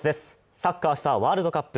サッカーＦＩＦＡワールドカップ。